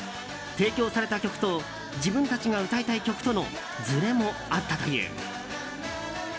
提供された曲と自分たちが歌いたい曲とのずれもあったという。